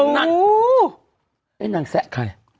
น้ำแซะใคร